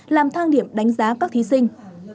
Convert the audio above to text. làm thang điểm đánh giá các thí sinh